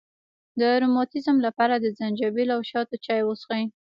د روماتیزم لپاره د زنجبیل او شاتو چای وڅښئ